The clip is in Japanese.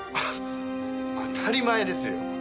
当たり前ですよ！